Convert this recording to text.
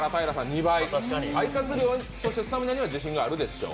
２倍、肺活量、そしてスタミナには自信があるでしょう。